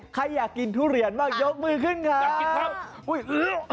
ใครอยากกินทุเรียนมากยกมือขึ้นค่ะนะครับ